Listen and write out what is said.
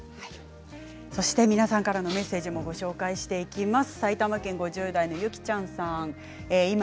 皆さんからのメッセージもご紹介していきます。